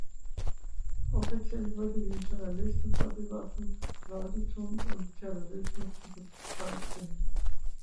Offiziell wurde den Journalisten vorgeworfen, Rowdytum und Terrorismus zu verbreiten.